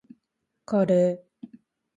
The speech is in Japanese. カレー